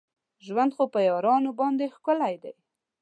ژوند خو په یارانو باندې ښکلی دی.